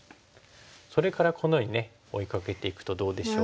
それからこのように追いかけていくとどうでしょう？